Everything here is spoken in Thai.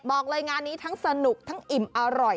บอกเลยงานนี้ทั้งสนุกทั้งอิ่มอร่อย